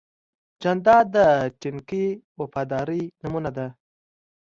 جانداد د ټینګې وفادارۍ نمونه ده.